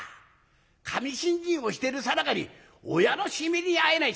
神信心をしてるさなかに親の死に目に会えない